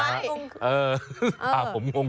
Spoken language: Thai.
อ่าผมมุ่งด้วย